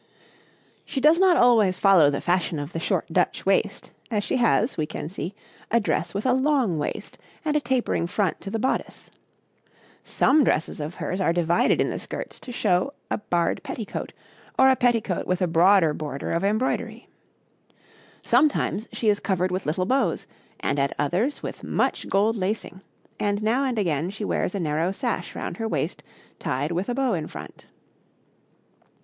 She does not always follow the fashion of the short Dutch waist as she has, we can see, a dress with a long waist and a tapering front to the bodice. Some dresses of hers are divided in the skirts to show a barred petticoat, or a petticoat with a broad border of embroidery. Sometimes she is covered with little bows, and at others with much gold lacing; and now and again she wears a narrow sash round her waist tied with a bow in front.